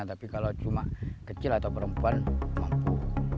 tapi kalau cuma kecil atau perempuan mampu